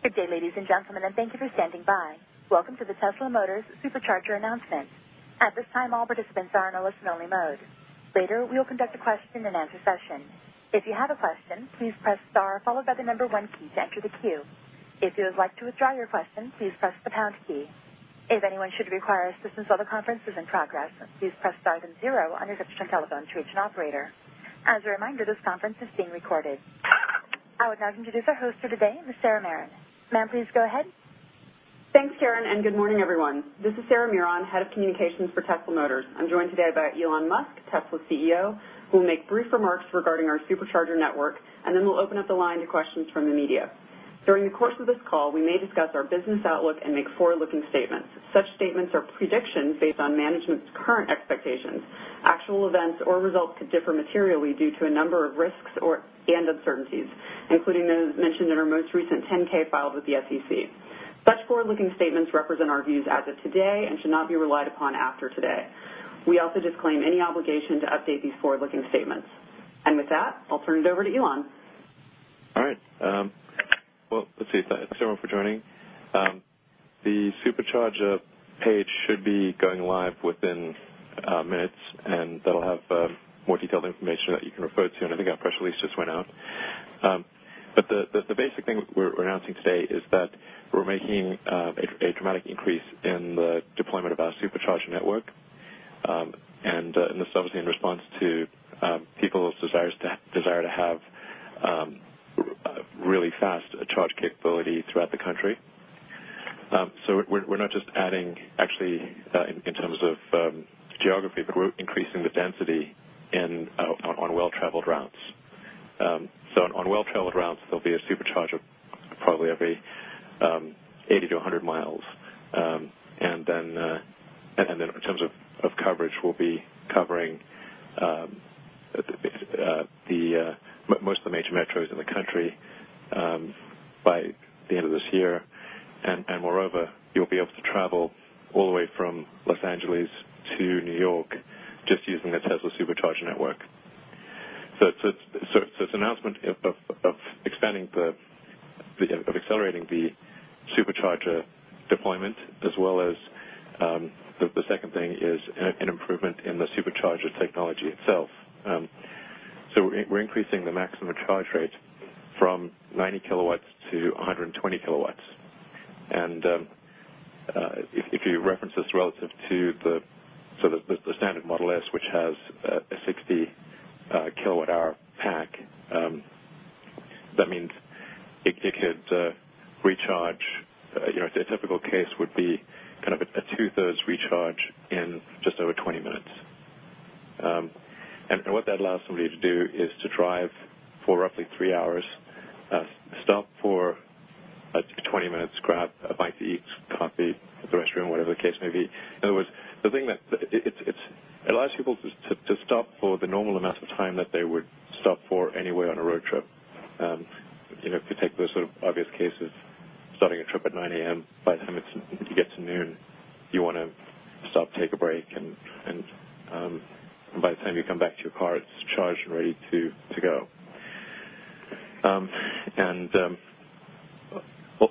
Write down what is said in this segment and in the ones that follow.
Good day, ladies and gentlemen. Thank you for standing by. Welcome to the Tesla, Inc. Supercharger announcement. At this time, all participants are in a listen-only mode. Later, we will conduct a question-and-answer session. If you have a question, please press star followed by the number one key to enter the queue. If you would like to withdraw your question, please press the pound key. If anyone should require assistance while the conference is in progress, please press star and zero on your touchtone telephone to reach an operator. As a reminder, this conference is being recorded. I would now introduce our host for today, Ms. Sarah Miron. Ma'am, please go ahead. Thanks, Karen. Good morning, everyone. This is Sarah Miron, Head of Communications for Tesla, Inc.. I'm joined today by Elon Musk, Tesla CEO, who will make brief remarks regarding our Supercharger network. Then we'll open up the line to questions from the media. During the course of this call, we may discuss our business outlook and make forward-looking statements. Such statements are predictions based on management's current expectations. Actual events or results could differ materially due to a number of risks and uncertainties, including those mentioned in our most recent 10-K filed with the SEC. Such forward-looking statements represent our views as of today and should not be relied upon after today. We also disclaim any obligation to update these forward-looking statements. With that, I'll turn it over to Elon. All right. Well, let's see. Thanks, everyone, for joining. The Supercharger page should be going live within minutes. That'll have more detailed information that you can refer to. I think our press release just went out. The basic thing we're announcing today is that we're making a dramatic increase in the deployment of our Supercharger network. This is obviously in response to people's desire to have really fast charge capability throughout the country. We're not just adding actually in terms of geography, but we're increasing the density on well-traveled routes. On well-traveled routes, there'll be a Supercharger probably every 80 to 100 miles. Then in terms of coverage, we'll be covering most of the major metros in the country by the end of this year. Moreover, you'll be able to travel all the way from Los Angeles to New York just using the Tesla Supercharger network. It's an announcement of accelerating the Supercharger deployment, as well as the second thing is an improvement in the Supercharger technology itself. We're increasing the maximum charge rate from 90 kilowatts to 120 kilowatts. If you reference this relative to the standard Model S, which has a 60 kilowatt-hour pack, that means it could recharge, a typical case would be a two-thirds recharge in just over 20 minutes. What that allows somebody to do is to drive for roughly three hours, stop for 20 minutes, grab a bite to eat, coffee, the restroom, whatever the case may be. In other words, it allows people to stop for the normal amount of time that they would stop for anyway on a road trip.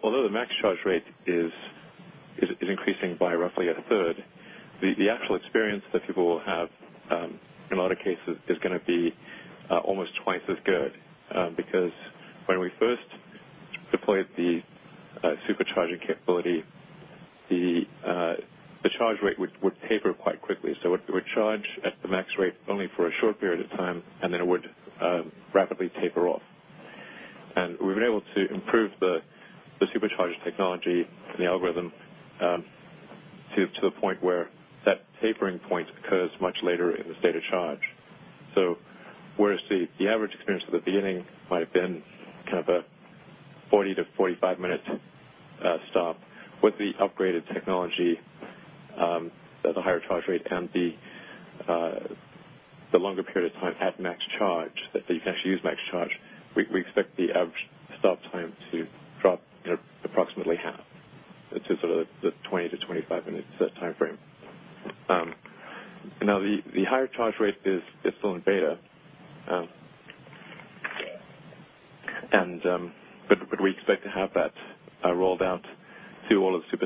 Although the max charge rate is increasing by roughly a third, the actual experience that people will have in a lot of cases is going to be almost twice as good because when we first deployed the Supercharging capability, the charge rate would taper quite quickly. It would charge at the max rate only for a short period of time, then it would rapidly taper off. We've been able to improve the Supercharger technology and the algorithm to the point where that tapering point occurs much later in the state of charge. Whereas the average experience at the beginning might have been kind of a 40-45-minute stop, with the upgraded technology, the higher charge rate, and the longer period of time at max charge, that you can actually use max charge, we expect the average stop time to drop approximately half to the 20-25-minute timeframe. Now, the higher charge rate is still in beta, but we expect to have that rolled out to all of the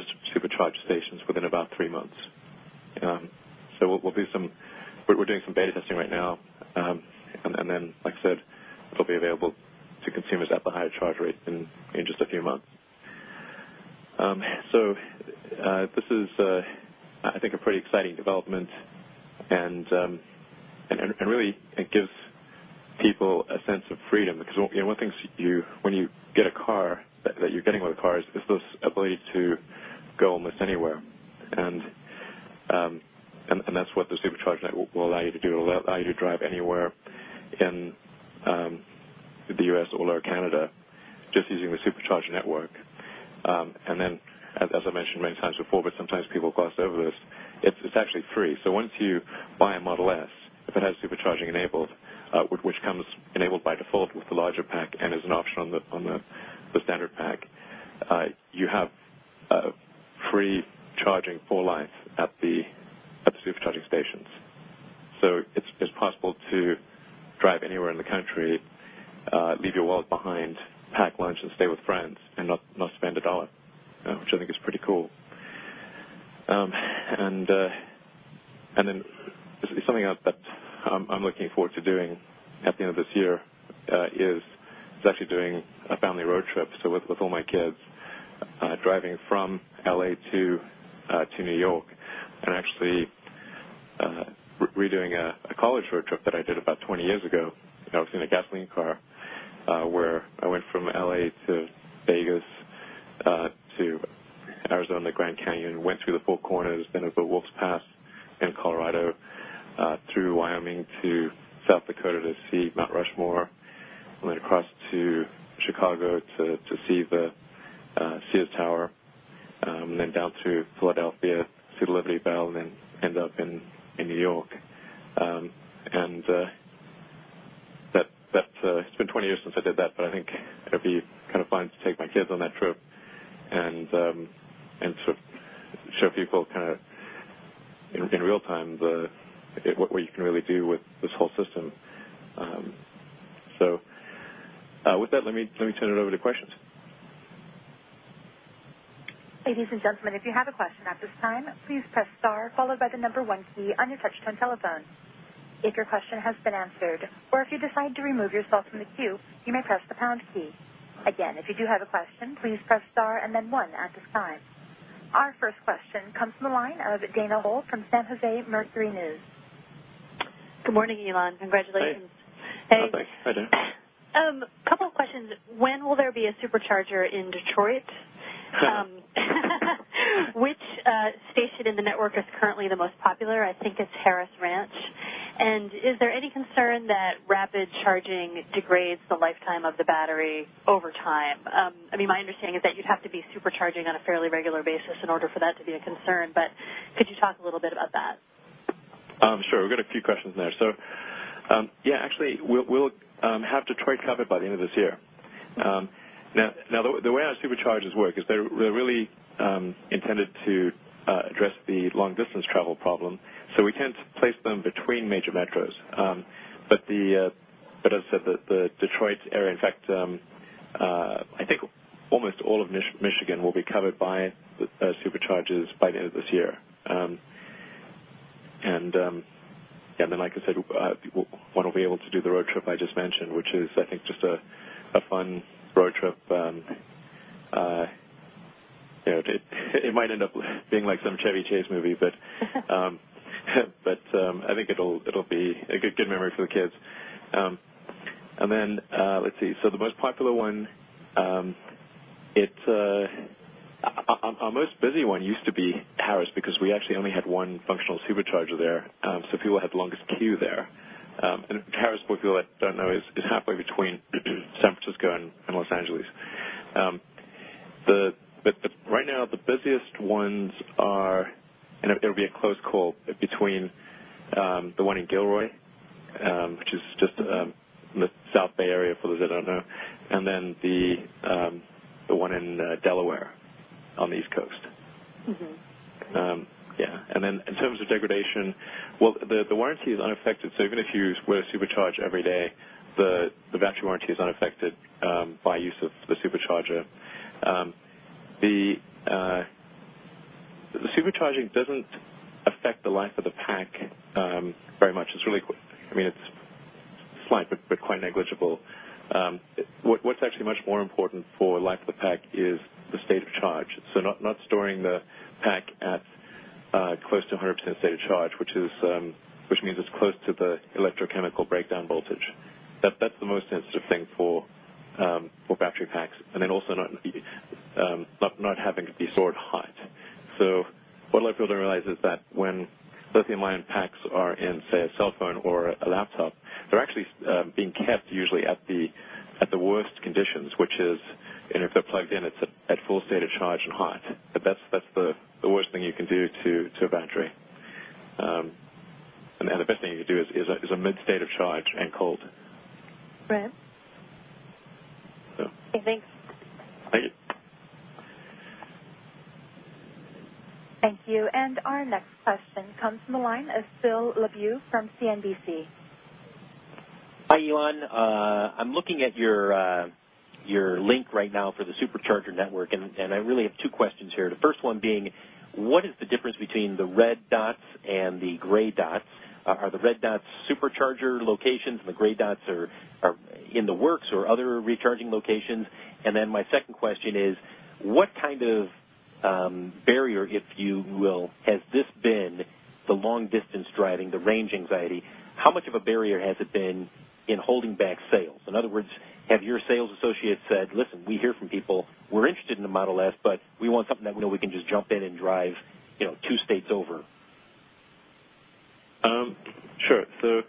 Supercharger stations within about three months. We're doing some beta testing right now, Arizona, Grand Canyon, went through the Four Corners, then over Wolf Creek Pass in Colorado, through Wyoming to South Dakota to see Mount Rushmore. Went across to Chicago to see the Sears Tower, then down through Philadelphia to see the Liberty Bell, then end up in New York. It's been 20 years since I did that, I think it'll be kind of fun to take my kids on that trip and sort of show people kind of in real-time what you can really do with this whole system. With that, let me turn it over to questions. Ladies and gentlemen, if you have a question at this time, please press star followed by the number one key on your touch-tone telephone. If your question has been answered or if you decide to remove yourself from the queue, you may press the pound key. Again, if you do have a question, please press star and then one at this time. Our first question comes from the line of Dana Hull from The Mercury News. Good morning, Elon. Congratulations. Hey. Oh, thanks. Hi, Dana. A couple of questions. When will there be a Supercharger in Detroit? Which station in the network is currently the most popular? I think it's Harris Ranch. Is there any concern that rapid charging degrades the lifetime of the battery over time? My understanding is that you'd have to be Supercharging on a fairly regular basis in order for that to be a concern, but could you talk a little bit about that? Sure. We've got a few questions there. Yeah, actually, we'll have Detroit covered by the end of this year. The way our Superchargers work is they're really intended to address the long-distance travel problem. We tend to place them between major metros. As I said, the Detroit area, in fact, I think almost all of Michigan will be covered by Superchargers by the end of this year. Like I said, people want to be able to do the road trip I just mentioned, which is, I think, just a fun road trip. It might end up being like some Chevy Chase movie, but I think it'll be a good memory for the kids. Let's see. The most popular one. Our most busy one used to be Harris because we actually only had one functional Supercharger there, so people had the longest queue there. Harris, for people that don't know, is halfway between San Francisco and Los Angeles. Right now, the busiest ones are, and it would be a close call between the one in Gilroy, which is just in the South Bay area for those that don't know, and then the one in Delaware on the East Coast. Yeah. In terms of degradation, the warranty is unaffected. Even if you were to Supercharge every day, the battery warranty is unaffected by use of the Supercharger. The Supercharging doesn't affect the life of the pack very much. It's slight, but quite negligible. What's actually much more important for the life of the pack is the state of charge. Not storing the pack at close to 100% state of charge, which means it's close to the electrochemical breakdown voltage. That's the most sensitive thing for battery packs. Also not having to be stored hot. What a lot of people don't realize is that when lithium-ion packs are in, say, a cell phone or a laptop, they're actually being kept usually at the worst conditions, which is if they're plugged in, it's at full state of charge and hot. That's the worst thing you can do to a battery. The best thing you can do is a mid-state of charge and cold. Right. Okay, thanks. Thank you. Thank you. Our next question comes from the line of Phil LeBeau from CNBC. Hi, Elon. I'm looking at your link right now for the Supercharger network, I really have two questions here. The first one being, what is the difference between the red dots and the gray dots? Are the red dots Supercharger locations and the gray dots are in the works or other recharging locations? My second question is what kind of barrier, if you will, has this been, the long-distance driving, the range anxiety. How much of a barrier has it been in holding back sales? In other words, have your sales associates said, "Listen, we hear from people. We're interested in the Model S, but we want something that we know we can just jump in and drive two states over. Sure. If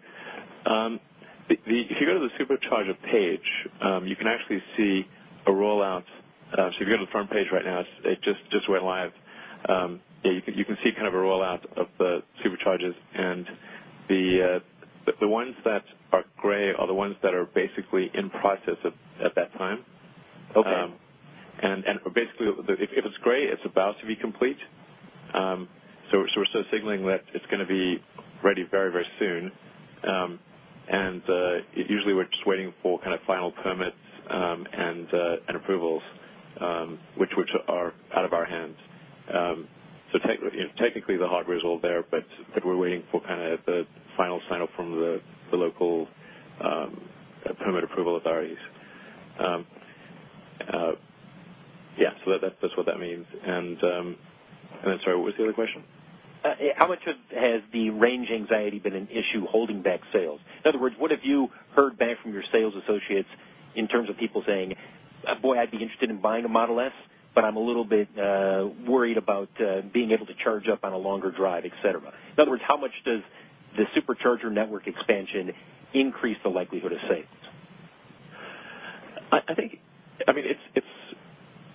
you go to the Supercharger page, you can actually see a rollout. If you go to the front page right now, it just went live. You can see a rollout of the Superchargers and the ones that are gray are the ones that are basically in process at that time. Okay. Basically, if it's gray, it's about to be complete. We're still signaling that it's going to be ready very soon. Usually we're just waiting for final permits and approvals, which are out of our hands. Technically the hardware is all there, but we're waiting for the final sign-off from the local permit approval authorities. Yeah. That's what that means. Sorry, what was the other question? How much has the range anxiety been an issue holding back sales? In other words, what have you heard back from your sales associates in terms of people saying, "Boy, I'd be interested in buying a Model S, but I'm a little bit worried about being able to charge up on a longer drive," et cetera? In other words, how much does the Supercharger network expansion increase the likelihood of sales?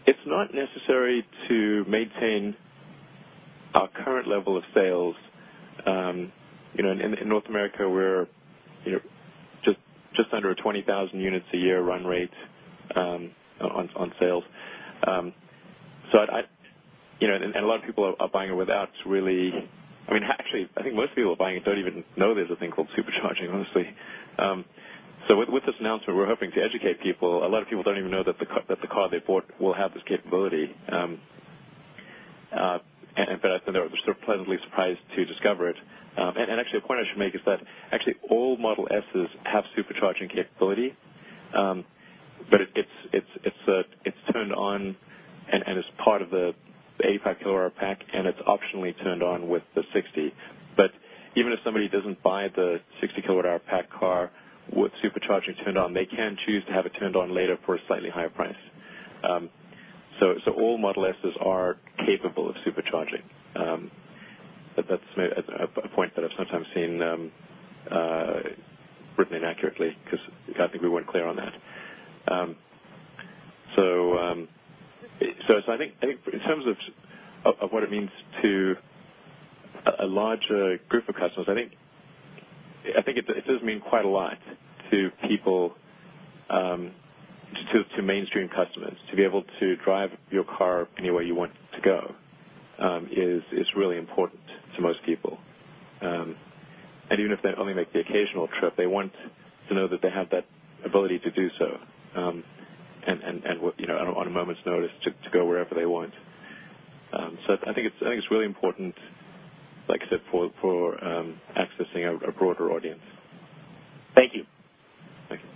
It's not necessary to maintain our current level of sales. In North America, we're just under a 20,000 units a year run rate on sales. A lot of people are buying it without. Actually, I think most people are buying it and don't even know there's a thing called Supercharging, honestly. With this announcement, we're hoping to educate people. A lot of people don't even know that the car they bought will have this capability. They're pleasantly surprised to discover it. Actually, a point I should make is that all Model S's have Supercharging capability. It's turned on and is part of the 85 kilowatt-hour pack, and it's optionally turned on with the 60. Even if somebody doesn't buy the 60 kilowatt-hour pack car with Supercharging turned on, they can choose to have it turned on later for a slightly higher price. All Model S's are capable of Supercharging. That's a point that I've sometimes seen written inaccurately because I think we weren't clear on that. I think in terms of what it means to a larger group of customers, I think it does mean quite a lot to people, to mainstream customers. To be able to drive your car anywhere you want to go is really important to most people. Even if they only make the occasional trip, they want to know that they have that ability to do so, on a moment's notice, to go wherever they want. I think it's really important, like I said, for accessing a broader audience. Thank you. Thank you.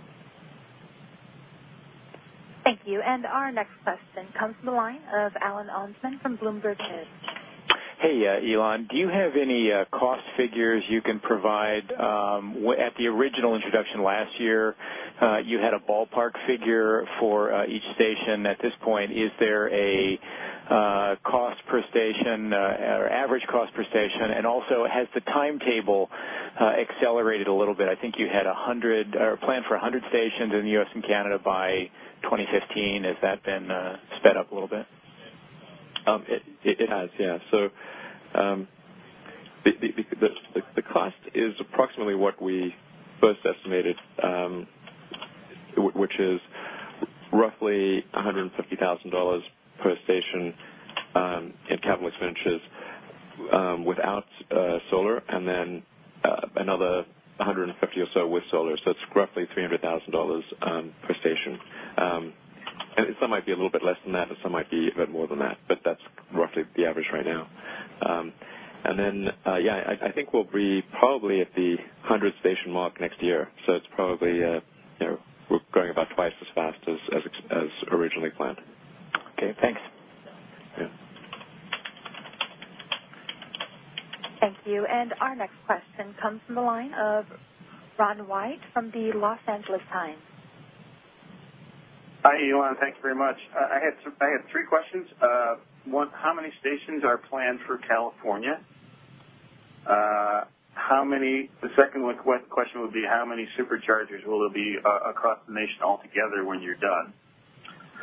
Thank you. Our next question comes from the line of Alan Ohnsman from Bloomberg News. Hey, Elon. Do you have any cost figures you can provide? At the original introduction last year, you had a ballpark figure for each station. At this point, is there a cost per station or average cost per station? Also, has the timetable accelerated a little bit? I think you planned for 100 stations in the U.S. and Canada by 2015. Has that been sped up a little bit? It has. Yeah. The cost is approximately what we first estimated, which is roughly $150,000 per station in capital expenditures without solar, then another 150 or so with solar. It's roughly $300,000 per station. Some might be a little bit less than that, some might be a bit more than that, but that's roughly the average right now. Then, yeah, I think we'll be probably at the 100-station mark next year. It's probably we're growing about twice as fast as originally planned. Okay, thanks. Yeah. Thank you. Our next question comes from the line of Ron White from the Los Angeles Times. Hi, Elon. Thanks very much. I have three questions. One, how many stations are planned for California? The second question would be, how many Superchargers will there be across the nation altogether when you're done?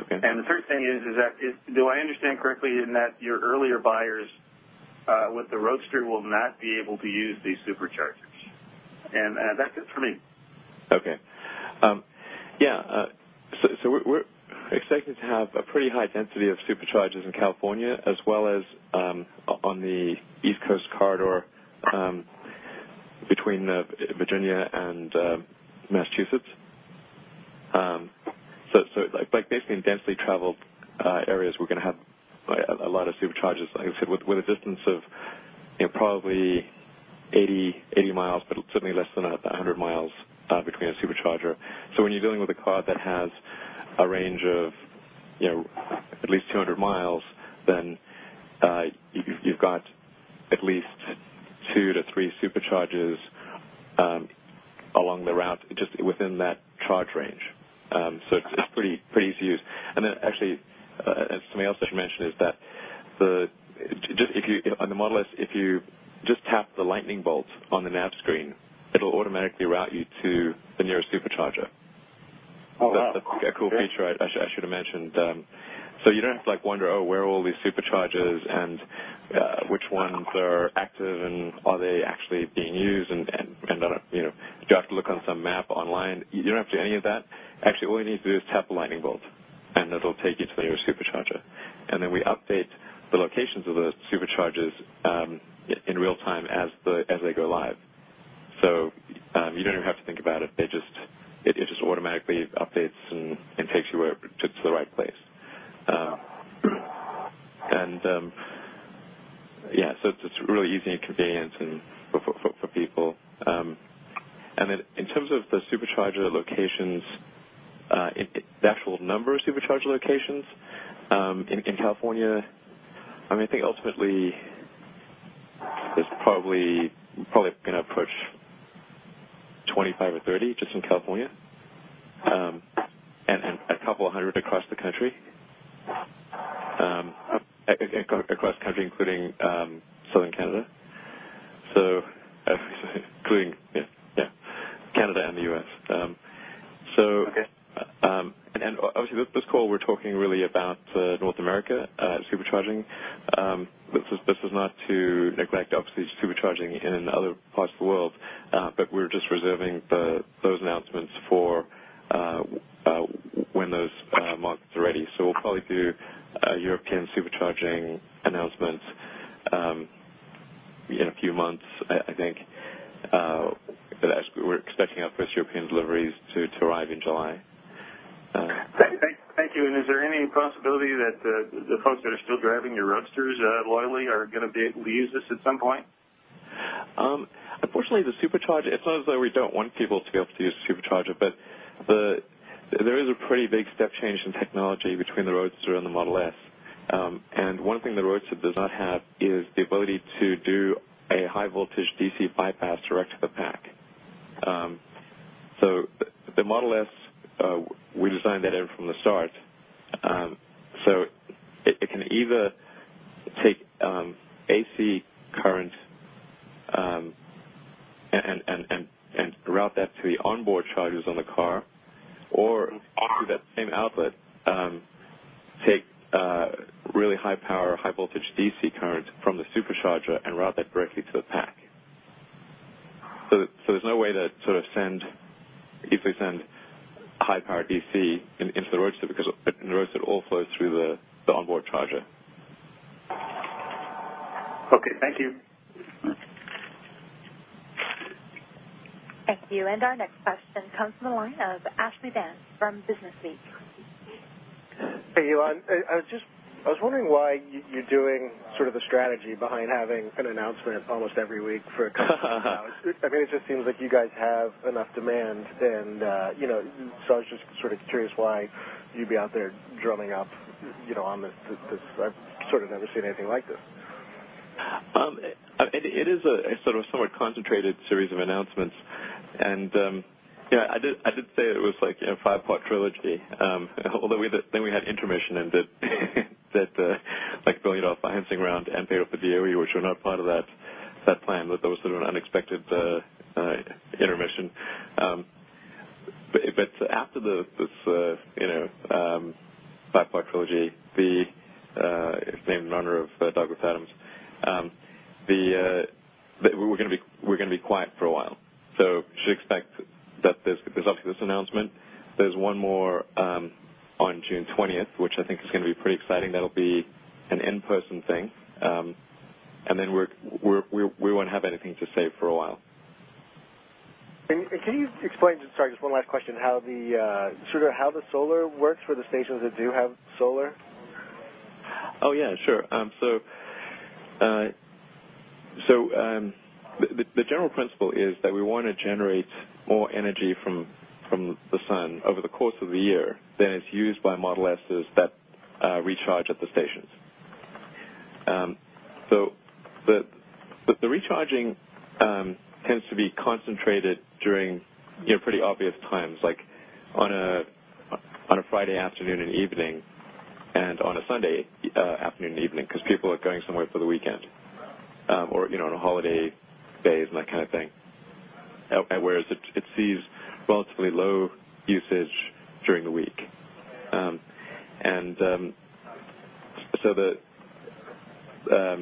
Okay. The third thing is that, do I understand correctly in that your earlier buyers with the Roadster will not be able to use these Superchargers? That's it for me. Okay. Yeah. We're expecting to have a pretty high density of Superchargers in California as well as on the East Coast corridor between Virginia and Massachusetts. Basically in densely traveled areas, we're going to have a lot of Superchargers. Like I said, with a distance of probably 80 miles, but certainly less than 100 miles between a Supercharger. When you're dealing with a car that has a range of at least 200 miles, you've got at least two to three Superchargers along the route just within that charge range. It's pretty easy to use. Actually, something else I should mention is that on the Model S, if you just tap the lightning bolt on the nav screen, it'll automatically route you to the nearest Supercharger. Oh, wow. That's a cool feature I should've mentioned. You don't have to wonder, oh, where are all these Superchargers and which ones are active and are they actually being used? Do I have to look on some map online? You don't have to do any of that. Actually, all you need to do is tap the lightning bolt, and it'll take you to the nearest Supercharger. We update the locations of the Superchargers in real-time as they go live. You don't even have to think about it. It just automatically updates and takes you to the right place. It's really easy and convenient for people. In terms of the Supercharger locations, the actual number of Supercharger locations in California, I think ultimately it's probably going to approach 25 or 30 just in California and a couple of hundred across the country, including southern Canada. Including, yeah, Canada and the U.S. Okay. Obviously, this call we're talking really about North America Supercharging. This is not to neglect, obviously, Supercharging in other parts of the world, we're just reserving those announcements for when those markets are ready. We'll probably do European Supercharging announcements in a few months, I think. We're expecting our first European deliveries to arrive in July. Thank you. Is there any possibility that the folks that are still driving your Roadsters loyally are going to be able to use this at some point? Unfortunately, the Supercharger, it's not as though we don't want people to be able to use the Supercharger, but there is a pretty big step change in technology between the Roadster and the Model S. One thing the Roadster does not have is the ability to do a high-voltage DC bypass direct to the pack. The Model S, we designed that in from the start. It can either take AC current and route that to the onboard chargers on the car or through that same outlet, take really high power, high-voltage DC current from the Supercharger and route that directly to the pack. There's no way to easily send high power DC into the Roadster because in the Roadster, it all flows through the onboard charger. Okay. Thank you. Thank you. Our next question comes from the line of Ashlee Vance from Businessweek. Hey, Elon. I was wondering why you're doing sort of the strategy behind having an announcement almost every week. I mean, it just seems like you guys have enough demand. So I was just sort of curious why you'd be out there drumming up on this. I've sort of never seen anything like this. It is a sort of somewhat concentrated series of announcements. Yeah, I did say it was like a five-part trilogy. Although then we had intermission and did like billion-dollar financing round and paid off the DOE, which were not part of that plan. That was sort of an unexpected intermission. After this five-part trilogy, it was named in honor of Douglas Adams, we're going to be quiet for a while. You should expect that there's obviously this announcement, there's one more on June 20th, which I think is going to be pretty exciting. That'll be an in-person thing. Then we won't have anything to say for a while. Can you explain, just sorry, just one last question, sort of how the solar works for the stations that do have solar? Oh, yeah, sure. The general principle is that we want to generate more energy from the sun over the course of the year than is used by Model S's that recharge at the stations. The recharging tends to be concentrated during pretty obvious times like on a Friday afternoon and evening and on a Sunday afternoon and evening because people are going somewhere for the weekend or on holiday days and that kind of thing. Whereas it sees relatively low usage during the week. So the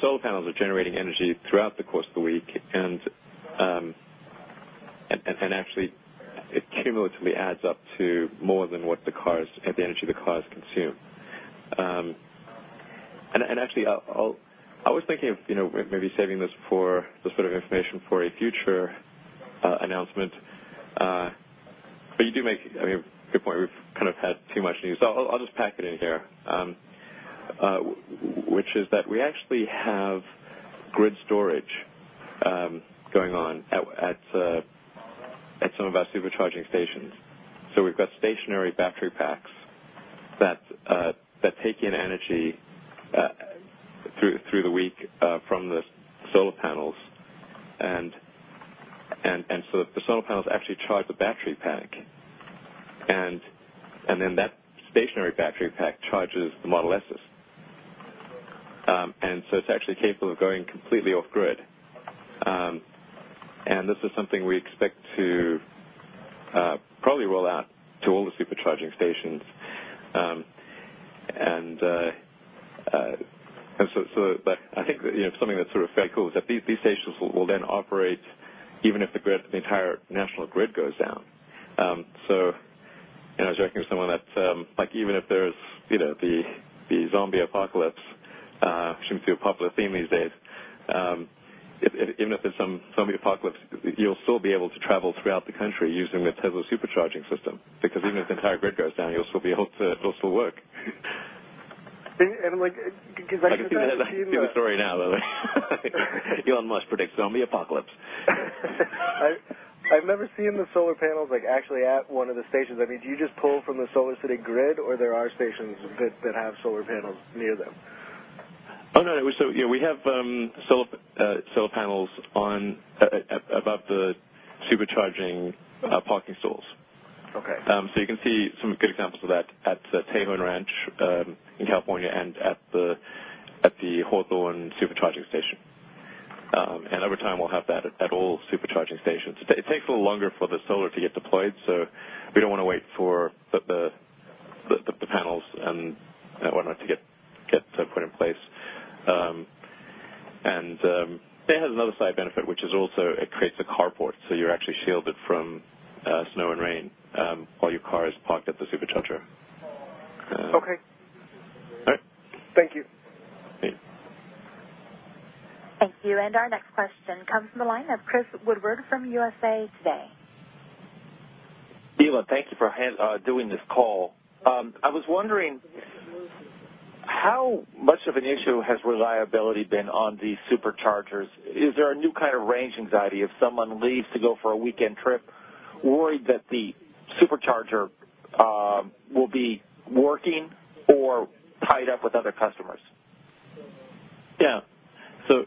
solar panels are generating energy throughout the course of the week and actually it cumulatively adds up to more than the energy the cars consume. Actually, I was thinking of maybe saving this information for a future announcement. You do make a good point. We've kind of had too much news. I'll just pack it in here, which is that we actually have grid storage going on at some of our Supercharging stations. We've got stationary battery packs that take in energy through the week from the solar panels and the solar panels actually charge the battery pack, and then that stationary battery pack charges the Model S's. It's actually capable of going completely off-grid. This is something we expect to probably roll out to all the Supercharging stations. I think something that's sort of very cool is that these stations will then operate even if the entire national grid goes down. I was joking with someone that, even if there's the zombie apocalypse, which seems to be a popular theme these days, even if there's some zombie apocalypse, you'll still be able to travel throughout the country using the Tesla Supercharging system. Even if the entire grid goes down, it'll still work. Because I think that. I can see the story now, by the way. Elon Musk predicts zombie apocalypse. I've never seen the solar panels actually at one of the stations. Do you just pull from the SolarCity grid, or there are stations that have solar panels near them? Oh, no. Yeah, we have solar panels above the Supercharging parking stalls. Okay. You can see some good examples of that at Tejon Ranch in California and at the Hawthorne Supercharging station. Over time, we'll have that at all Supercharging stations. It takes a little longer for the solar to get deployed, we don't want to wait for the panels and whatnot to get put in place. It has another side benefit, which is also it creates a carport, you're actually shielded from snow and rain while your car is parked at the Supercharger. Okay. All right. Thank you. Yeah. Thank you, our next question comes from the line of Chris Woodward from USA Today. Elon, thank you for doing this call. I was wondering, how much of an issue has reliability been on the Superchargers? Is there a new kind of range anxiety if someone leaves to go for a weekend trip, worried that the Supercharger will be working or tied up with other customers? Yeah. The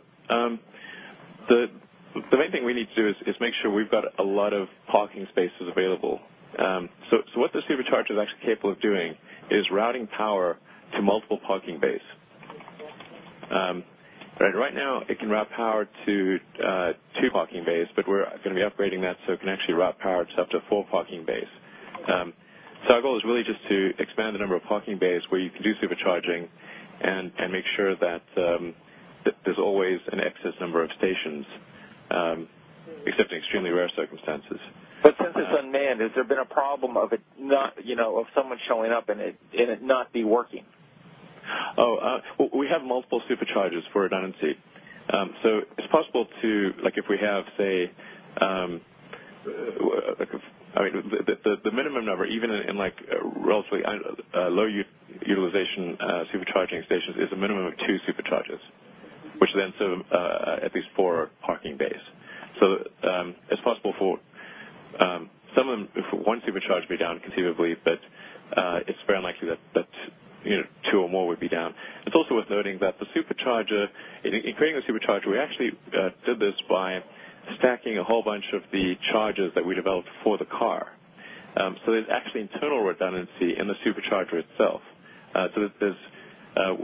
main thing we need to do is make sure we've got a lot of parking spaces available. What the Supercharger is actually capable of doing is routing power to multiple parking bays. Right now it can route power to two parking bays, but we're going to be upgrading that so it can actually route power to up to four parking bays. Our goal is really just to expand the number of parking bays where you can do Supercharging and make sure that there's always an excess number of stations, except in extremely rare circumstances. Has there been a problem of someone showing up and it not be working? We have multiple Superchargers for redundancy. It's possible to, the minimum number, even in relatively low utilization Supercharging stations, is a minimum of two Superchargers, which then serve at least four parking bays. It's possible for one Supercharger to be down conceivably, but it's very unlikely that two or more would be down. It's also worth noting that the Supercharger, in creating the Supercharger, we actually did this by stacking a whole bunch of the chargers that we developed for the car. There's actually internal redundancy in the Supercharger itself.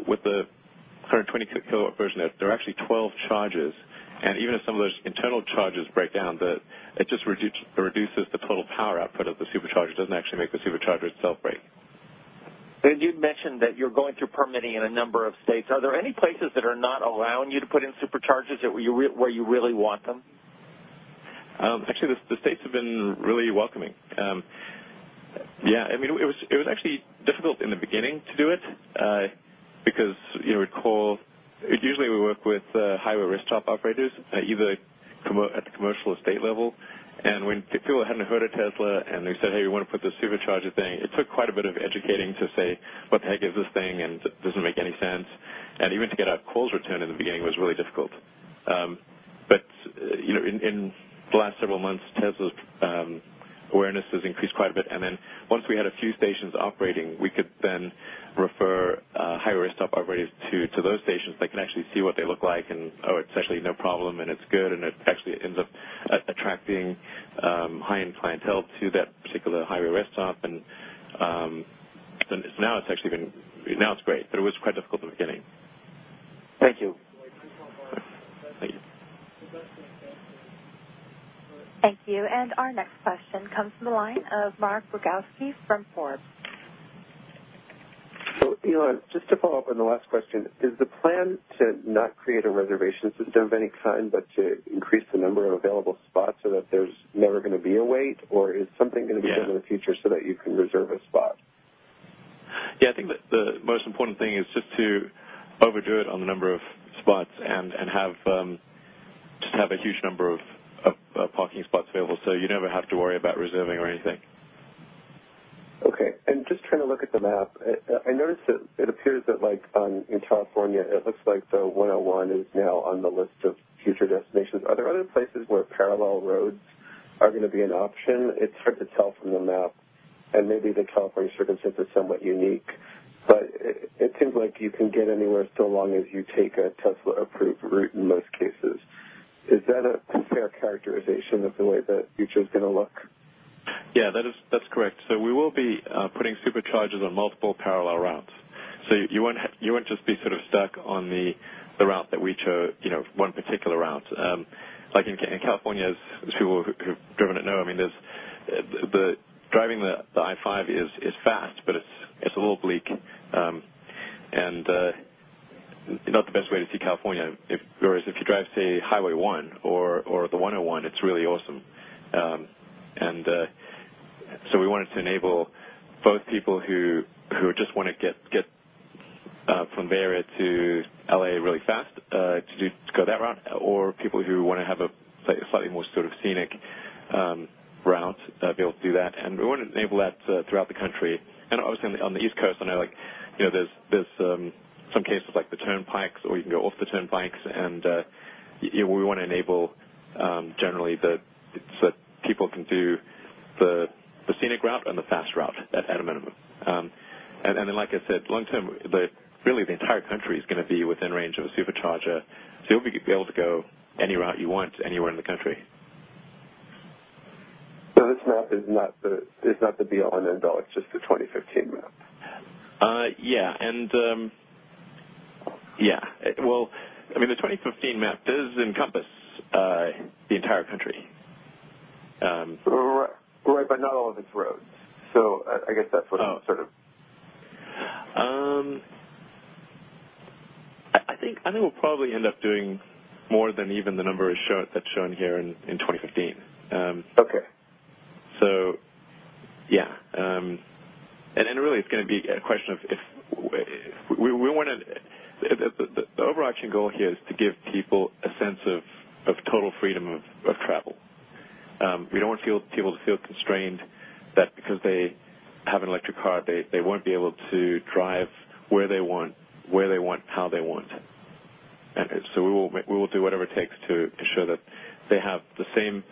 With the current 20 kilowatt version, there are actually 12 chargers, and even if some of those internal chargers break down, it just reduces the total power output of the Supercharger. It doesn't actually make the Supercharger itself break. You'd mentioned that you're going through permitting in a number of states. Are there any places that are not allowing you to put in Superchargers where you really want them? Actually, the states have been really welcoming. It was actually difficult in the beginning to do it, because you recall, usually we work with highway rest stop operators, either at the commercial estate level. When people hadn't heard of Tesla and we said, "Hey, we want to put this Supercharger thing," it took quite a bit of educating to say, "What the heck is this thing?" and, "Does it make any sense?" Even to get our calls returned in the beginning was really difficult. In the last several months, Tesla's awareness has increased quite a bit. Once we had a few stations operating, we could then refer highway rest stop operators to those stations. They can actually see what they look like and, oh, it's actually no problem and it's good, and it actually ends up attracting high-end clientele to that particular highway rest stop. Now it's great, but it was quite difficult at the beginning. Thank you. Thank you. Thank you. Our next question comes from the line of Mark Rogowsky from Forbes. Elon, just to follow up on the last question, is the plan to not create a reservation system of any kind, but to increase the number of available spots so that there's never going to be a wait? Or is something going to be- Yeah done in the future so that you can reserve a spot? Yeah, I think the most important thing is just to overdo it on the number of spots and just have a huge number of parking spots available so you never have to worry about reserving or anything. Okay. Just trying to look at the map, I noticed that it appears that in California, it looks like the 101 is now on the list of future destinations. Are there other places where parallel roads are going to be an option? It's hard to tell from the map, and maybe the California circumstance is somewhat unique, but it seems like you can get anywhere so long as you take a Tesla-approved route in most cases. Is that a fair characterization of the way the future's going to look? Yeah, that's correct. We will be putting Superchargers on multiple parallel routes. You won't just be sort of stuck on the route that we chose, one particular route. In California, as people who've driven it know, driving the I-5 is fast, but it's a little bleak, and not the best way to see California. Whereas if you drive, say, Highway 1 or the 101, it's really awesome. We wanted to enable both people who just want to get from Bay Area to L.A. really fast to go that route, or people who want to have a slightly more sort of scenic route, be able to do that. We want to enable that throughout the country. Obviously on the East Coast, I know there's some cases like the turnpikes, or you can go off the turnpikes, and we want to enable generally so that people can do the scenic route and the fast route at a minimum. Like I said, long term, really the entire country's going to be within range of a Supercharger. You'll be able to go any route you want anywhere in the country. This map is not the be-all and end-all, it's just the 2015 map. Yeah. The 2015 map does encompass the entire country. Right, but not all of its roads. I guess that's what I'm sort of I think we'll probably end up doing more than even the numbers that's shown here in 2015. Okay. Yeah. The overarching goal here is to give people a sense of total freedom of travel. We don't want people to feel constrained that because they have an electric car, they won't be able to drive where they want, how they want. We will do whatever it takes to show that they have the same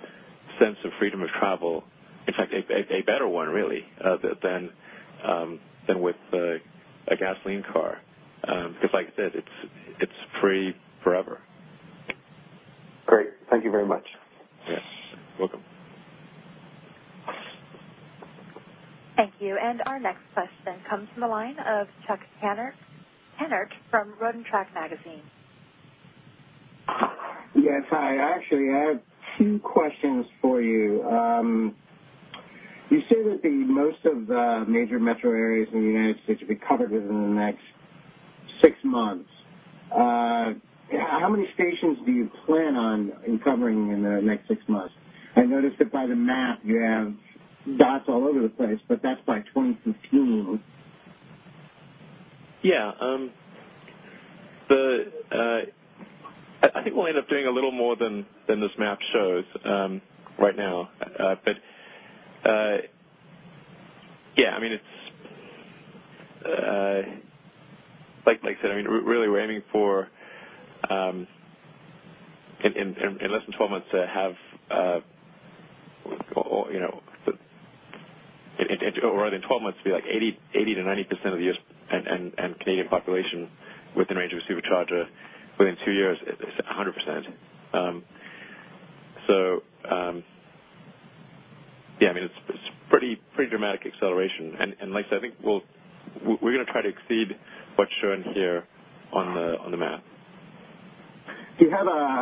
sense of freedom of travel. In fact, a better one really, than with a gasoline car. Because like I said, it's free forever. Great. Thank you very much. Yeah. Welcome. Thank you. Our next question comes from the line of Chuck Hannert from Road & Track Magazine. Yes, hi. Actually, I have two questions for you. You say that most of the major metro areas in the U.S. will be covered within the next six months. How many stations do you plan on covering in the next six months? I noticed that by the map, you have dots all over the place, but that's by 2015. Yeah. I think we'll end up doing a little more than this map shows right now. Yeah, like I said, really, we're aiming for in less than 12 months to be like 80%-90% of the U.S. and Canadian population within range of a Supercharger. Within two years, it's 100%. Yeah, it's pretty dramatic acceleration and like I said, I think we're going to try to exceed what's shown here on the map. Do you have a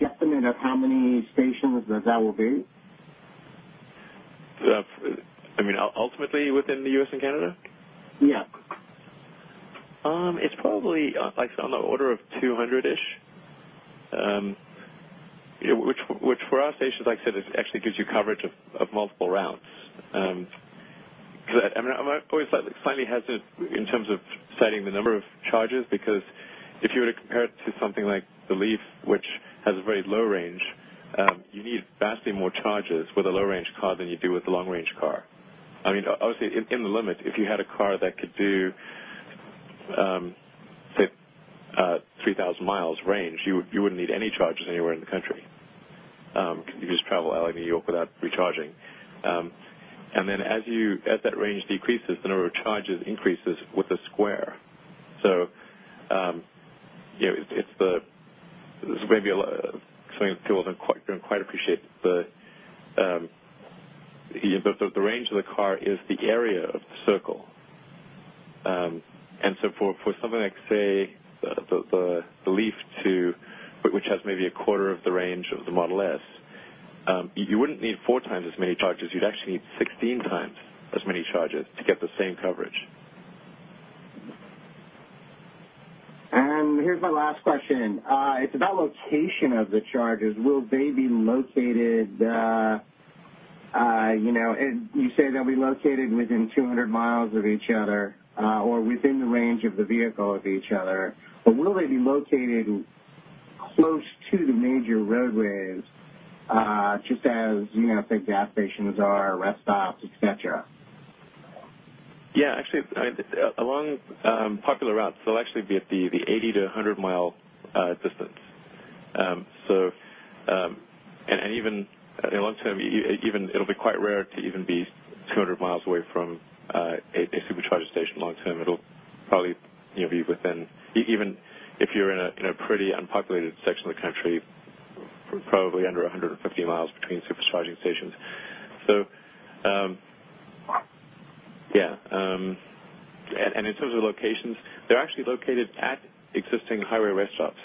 guesstimate of how many stations that will be? Ultimately, within the U.S. and Canada? Yeah. It's probably on the order of 200-ish. For our stations, like I said, it actually gives you coverage of multiple routes. I'm always slightly hesitant in terms of citing the number of chargers, because if you were to compare it to something like the Leaf, which has a very low range, you need vastly more chargers with a low-range car than you do with a long-range car. Obviously, in the limit, if you had a car that could do 3,000 miles range, you wouldn't need any chargers anywhere in the country. You could just travel L.A. to New York without recharging. As that range decreases, the number of chargers increases with the square. This may be something that people don't quite appreciate, but the range of the car is the area of the circle. For something like, say, the Leaf, which has maybe a quarter of the range of the Model S, you wouldn't need four times as many chargers, you'd actually need 16 times as many chargers to get the same coverage. Here's my last question. It's about location of the chargers. You say they'll be located within 200 miles of each other, or within the range of the vehicle of each other. Will they be located close to the major roadways, just as gas stations are, rest stops, et cetera? Yeah. Along popular routes, they'll actually be at the 80 to 100-mile distance. Even in the long term, it'll be quite rare to even be 200 miles away from a Supercharger station long-term. Even if you're in a pretty unpopulated section of the country, probably under 150 miles between Supercharging stations. Yeah. In terms of locations, they're actually located at existing highway rest stops.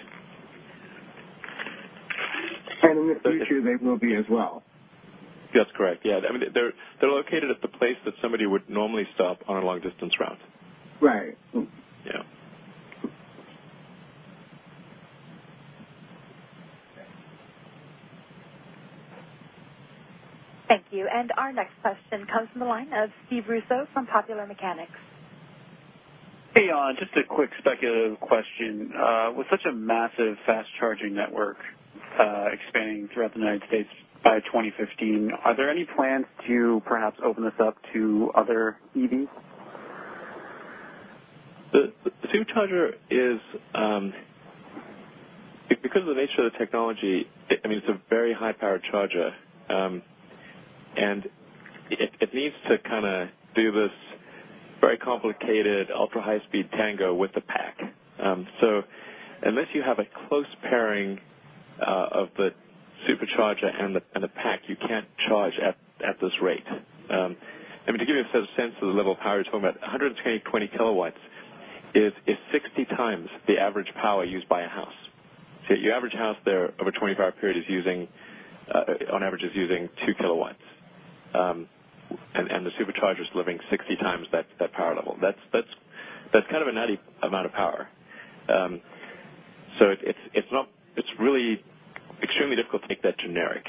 In the future, they will be as well. That's correct. Yeah. They're located at the place that somebody would normally stop on a long-distance route. Right. Yeah. Okay. Thank you. Our next question comes from the line of Steve Russo from Popular Mechanics. Hey, Elon. Just a quick speculative question. With such a massive fast charging network expanding throughout the U.S. by 2015, are there any plans to perhaps open this up to other EVs? The Supercharger, because of the nature of the technology, it's a very high-powered charger. It needs to do this very complicated ultra-high-speed tango with the pack. Unless you have a close pairing of the Supercharger and the pack, you can't charge at this rate. To give you a sense of the level of power you're talking about, 120 kilowatts is 60 times the average power used by a house. Your average house, over a 24-hour period, on average, is using two kilowatts. The Supercharger's living 60 times that power level. That's an nutty amount of power. It's really extremely difficult to make that generic.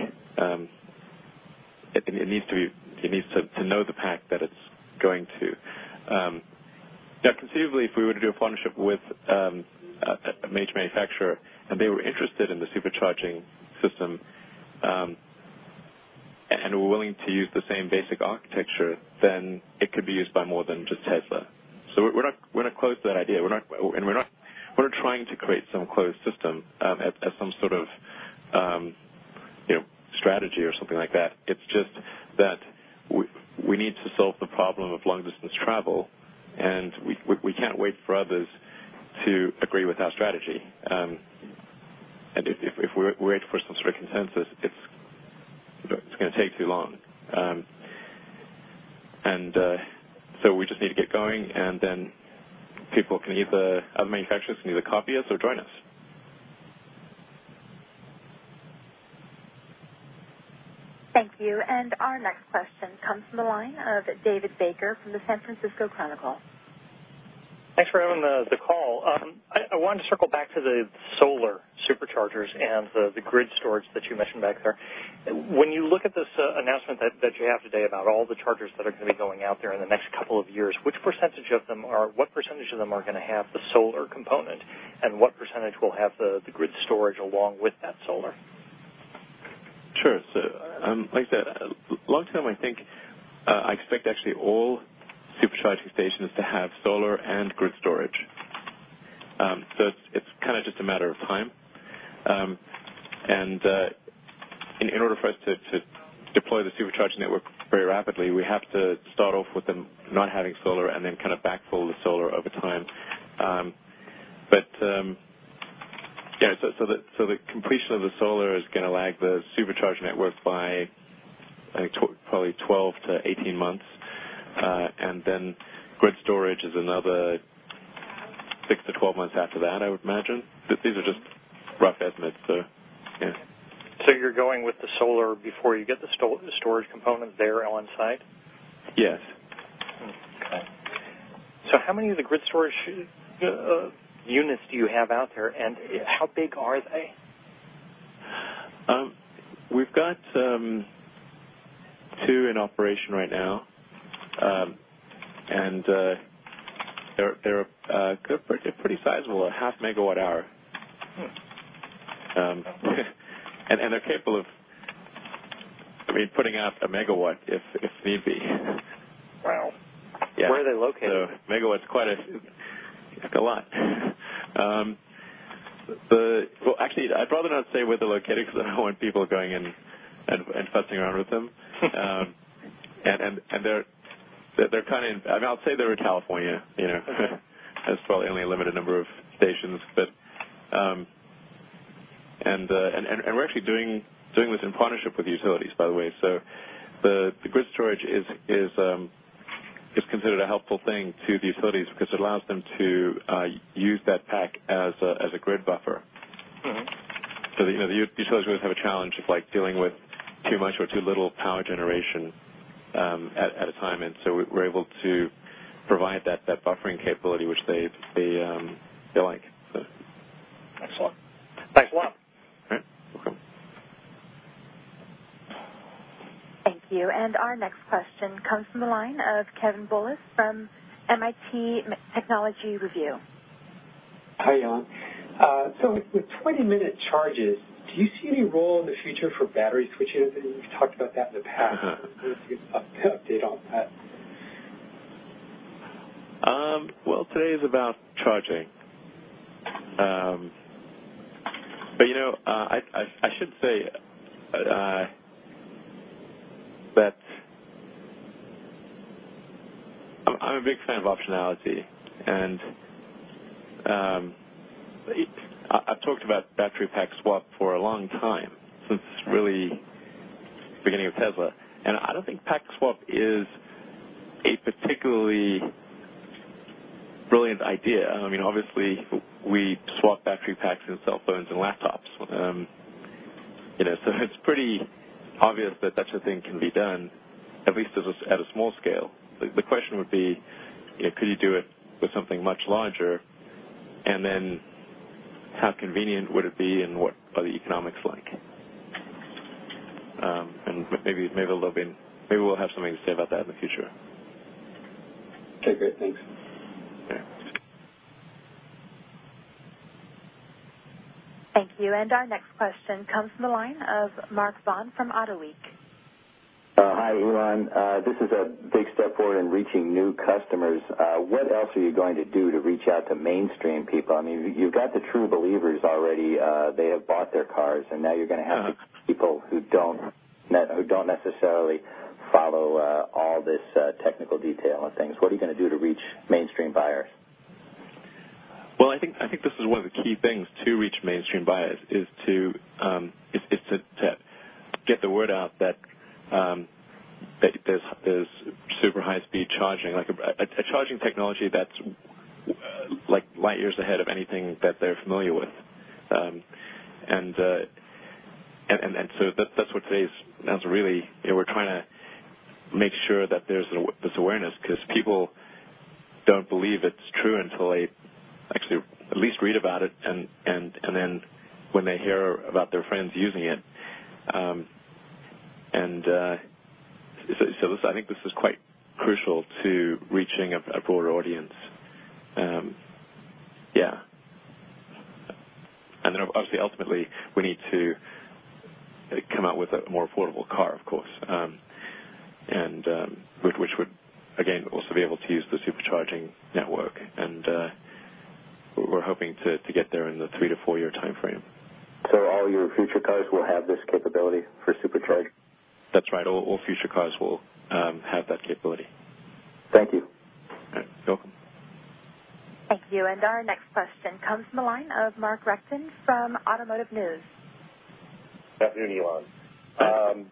It needs to know the pack that it's going to. Now conceivably, if we were to do a partnership with a major manufacturer and they were interested in the Supercharging system, and were willing to use the same basic architecture, then it could be used by more than just Tesla. We're not closed to that idea. We're not trying to create some closed system as some sort of strategy or something like that. It's just that we need to solve the problem of long-distance travel, and we can't wait for others to agree with our strategy. If we wait for some sort of consensus, it's going to take too long. We just need to get going, and other manufacturers can either copy us or join us. Thank you. Our next question comes from the line of David Baker from the San Francisco Chronicle. Thanks for having the call. I wanted to circle back to the solar Superchargers and the grid storage that you mentioned back there. When you look at this announcement that you have today about all the chargers that are going to be going out there in the next couple of years, what % of them are going to have the solar component, and what % will have the grid storage along with that solar? Sure. Like I said, long-term, I expect actually all Supercharging stations to have solar and grid storage. It's just a matter of time. In order for us to deploy the Supercharging Network very rapidly, we have to start off with them not having solar and then backfill the solar over time. The completion of the solar is going to lag the Supercharging Network by probably 12-18 months. Then grid storage is another six to 12 months after that, I would imagine. These are just rough estimates. Yeah. You're going with the solar before you get the storage component there on site? Yes. Okay. How many of the grid storage units do you have out there, and how big are they? We've got two in operation right now. They're pretty sizable, a half megawatt-hour. They're capable of putting out a megawatt if need be. Wow. Yeah. Where are they located? A megawatt's quite a lot. Well, actually, I'd rather not say where they're located because I don't want people going and fussing around with them. I mean, I'll say they're in California. There's probably only a limited number of stations. We're actually doing this in partnership with the utilities, by the way. The grid storage is considered a helpful thing to the utilities because it allows them to use that pack as a grid buffer. The utilities always have a challenge of dealing with too much or too little power generation at a time, and so we're able to provide that buffering capability, which they like. Excellent. Thanks a lot. All right. Welcome. Thank you. Our next question comes from the line of Kevin Bullis from "MIT Technology Review. Hi, Elon. With 20-minute charges, do you see any role in the future for battery switches? I know you've talked about that in the past. I was curious to get an update on that. Well, today is about charging. I should say that I'm a big fan of optionality, and I've talked about battery pack swap for a long time, since really the beginning of Tesla. I don't think pack swap is a particularly brilliant idea. Obviously, we swap battery packs in cell phones and laptops. It's pretty obvious that such a thing can be done, at least at a small scale. The question would be, could you do it with something much larger? Then how convenient would it be, and what are the economics like? Maybe we'll have something to say about that in the future. Okay, great. Thanks. Yeah. Thank you. Our next question comes from the line of Mark Vaughn from Autoweek. Hi, Elon. This is a big step forward in reaching new customers. What else are you going to do to reach out to mainstream people? You've got the true believers already. They have bought their cars, now you're going to have these people who don't necessarily follow all this technical detail and things. What are you going to do to reach mainstream buyers? Well, I think this is one of the key things to reach mainstream buyers, is to get the word out that there's super high-speed charging, a charging technology that's light years ahead of anything that they're familiar with. That's what today's announcement we're trying to make sure that there's this awareness, because people don't believe it's true until they actually at least read about it, then when they hear about their friends using it. I think this is quite crucial to reaching a broader audience. Yeah. Obviously, ultimately, we need to come out with a more affordable car, of course, which would, again, also be able to use the Supercharging network. We're hoping to get there in the three to four-year timeframe. All your future cars will have this capability for Supercharging? That's right. All future cars will have that capability. Thank you. You're welcome. Thank you. Our next question comes from the line of Mark Rechtin from Automotive News. Good afternoon, Elon. Hi.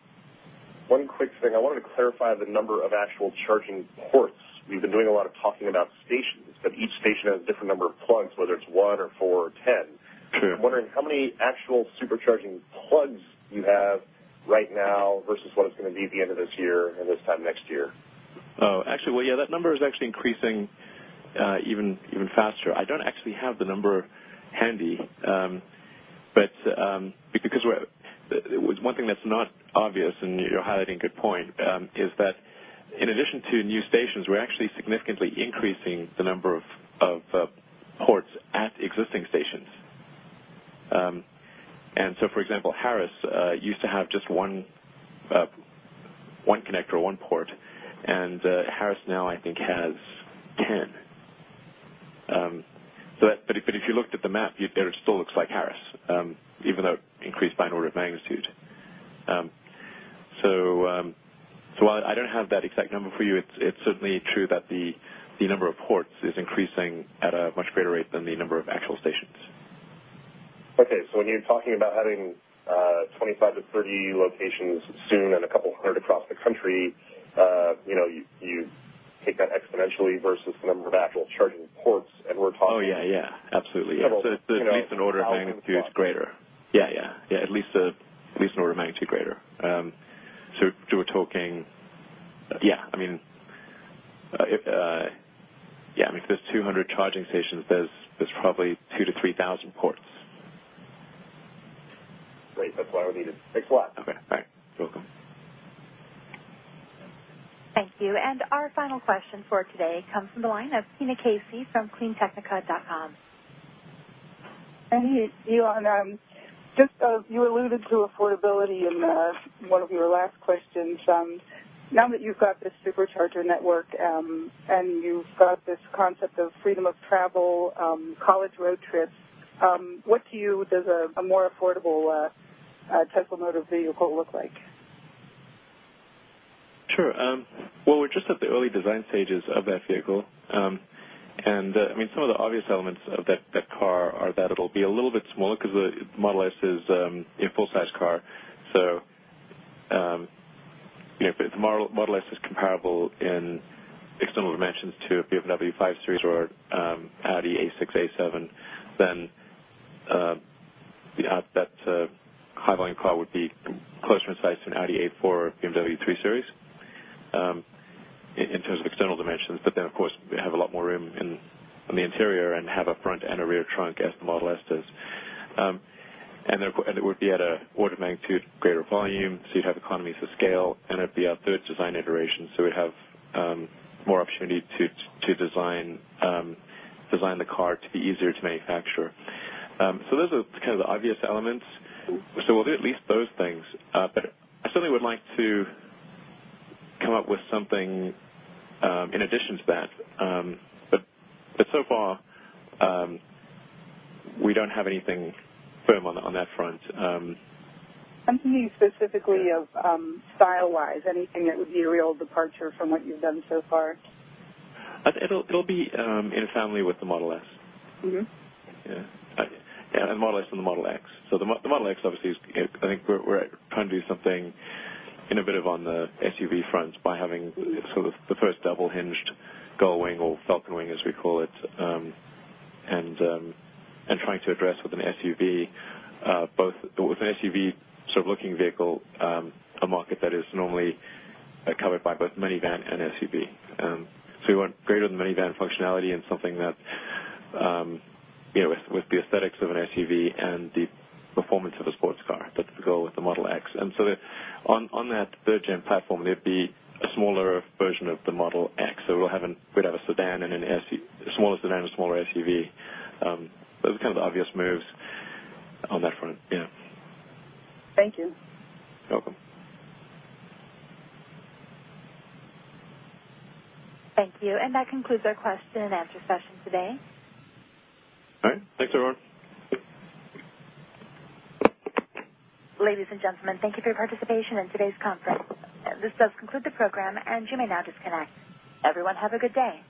One quick thing. I wanted to clarify the number of actual charging ports. We've been doing a lot of talking about stations, but each station has a different number of plugs, whether it's one or four or 10. Sure. I'm wondering how many actual Supercharging plugs you have right now versus what it's going to be at the end of this year and this time next year. Actually, well, yeah, that number is actually increasing even faster. I don't actually have the number handy. One thing that's not obvious, and you're highlighting a good point, is that in addition to new stations, we're actually significantly increasing the number of ports at existing stations. For example, Harris used to have just one connector or one port, and Harris now I think has 10. If you looked at the map, it still looks like Harris, even though it increased by an order of magnitude. While I don't have that exact number for you, it's certainly true that the number of ports is increasing at a much greater rate than the number of actual stations. Okay. When you're talking about having 25-30 locations soon and a couple of hundred across the country, you take that exponentially versus the number of actual charging ports and we're talking- Yeah. Absolutely. Several thousand spots. At least an order of magnitude greater. Yeah. At least an order of magnitude greater. If there's 200 charging stations, there's probably 2,000 to 3,000 ports. Great. That's what I needed. Thanks a lot. Okay, bye. You're welcome. Thank you. Our final question for today comes from the line of Tina Casey from CleanTechnica. Hi, Elon. You alluded to affordability in one of your last questions. Now that you've got this Supercharger network and you've got this concept of freedom of travel, college road trips, what to you does a more affordable Tesla motor vehicle look like? Sure. Well, we're just at the early design stages of that vehicle. Some of the obvious elements of that car are that it'll be a little bit smaller because the Model S is a full-size car. The Model S is comparable in external dimensions to a BMW 5 Series or Audi A6, A7. That high-volume car would be closer in size to an Audi A4 or BMW 3 Series in terms of external dimensions. Of course, we have a lot more room in the interior and have a front and a rear trunk as the Model S does. It would be at an order of magnitude greater volume, so you'd have economies of scale, and it'd be our third design iteration, so we'd have more opportunity to design the car to be easier to manufacture. Those are kind of the obvious elements. We'll do at least those things. I certainly would like to come up with something in addition to that. So far, we don't have anything firm on that front. I'm thinking specifically of style-wise, anything that would be a real departure from what you've done so far? It'll be in family with the Model S. Yeah. Model S and the Model X. The Model X, obviously, I think we're trying to do something innovative on the SUV front by having the first double-hinged gull wing, or falcon wing, as we call it and trying to address with an SUV sort of looking vehicle, a market that is normally covered by both minivan and SUV. We want greater than minivan functionality and something that with the aesthetics of an SUV and the performance of a sports car, that's the goal with the Model X. On that third-gen platform, there'd be a smaller version of the Model X. We'd have a smaller sedan and a smaller SUV. Those are kind of the obvious moves on that front. Yeah. Thank you. You're welcome. Thank you. That concludes our question and answer session today. All right. Thanks, everyone. Ladies and gentlemen, thank you for your participation in today's conference. This does conclude the program, and you may now disconnect. Everyone, have a good day.